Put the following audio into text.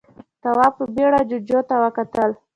تواب په بيړه جُوجُو ته وکتل.